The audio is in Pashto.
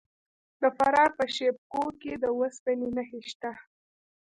د فراه په شیب کوه کې د وسپنې نښې شته.